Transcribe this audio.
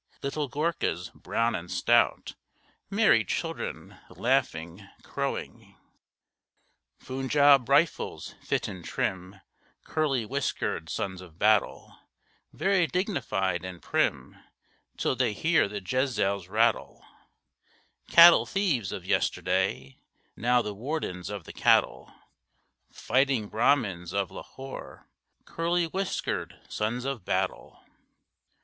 Little Goorkhas, brown and stout, Merry children, laughing, crowing. Funjaub Rifles, fit and trim, Curly whiskered sons of battle, Very dignified and prim Till they hear the Jezails rattle; Cattle thieves of yesterday, Now the wardens of the cattle, Fighting Brahmins of Lahore, Curly whiskered sons of battle.